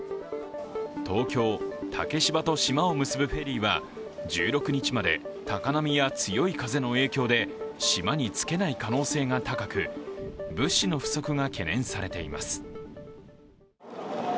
東京・竹芝と島を結ぶフェリーは１６日まで高波や強い風の影響で島に着けない可能性が高く物資の不足が懸念されています。